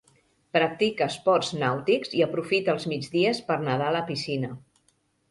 Practica esports nàutics i aprofita els migdies per nedar a la piscina.